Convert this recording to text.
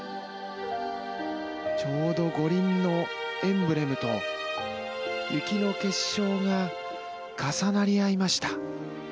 ちょうど五輪のエンブレムと雪の結晶が重なり合いました。